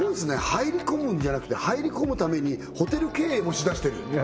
入り込むんじゃなくて入り込むためにホテル経営もしだしてる？